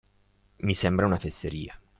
Mi sembra una fesseria.